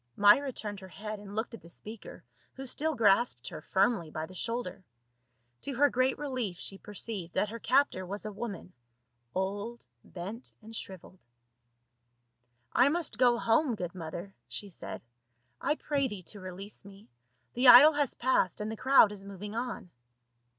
Myra turned her head and looked at the speaker who still grasped her firmly by the shoulder ; to her great relief she perceived that her captor was a woman, old, bent, and shriveled. " I must go home, good mother," she said. " I pray thee to release me ; the idol has pa.sscd and the crowd is moving on."